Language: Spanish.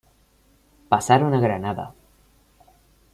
Pasaron a Granada.